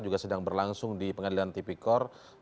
juga sedang berlangsung di pengadilan tv kor